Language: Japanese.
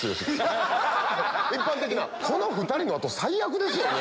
この２人の後最悪ですよね。